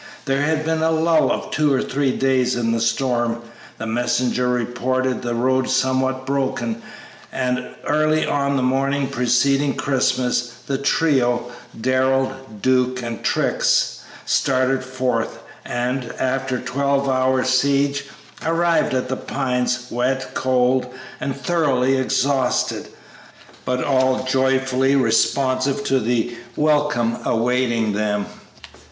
There had been a lull of two or three days in the storm, the messenger reported the road somewhat broken, and early on the morning preceding Christmas the trio, Darrell, Duke, and Trix, started forth, and, after a twelve hours' siege, arrived at The Pines wet, cold, and thoroughly exhausted, but all joyfully responsive to the welcome awaiting them.